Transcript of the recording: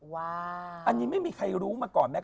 ว่าอันนี้ไม่มีใครรู้มาก่อนไหม